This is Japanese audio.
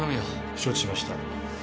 承知しました。